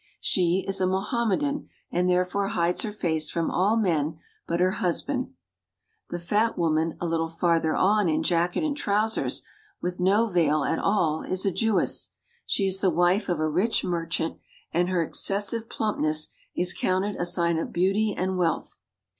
She is a Mohammedan and therefore hides her face from all men but her husband. The fat woman a Httle farther on in jacket and trousers with no veil at all is a Jewess. She is the wife of a rich merchant, and her excessive plumpness is counted a sign of beauty and wealth.